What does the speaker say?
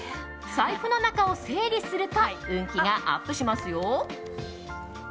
財布の中を整理すると運気がアップしますよ。